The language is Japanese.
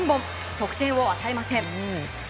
得点を与えません。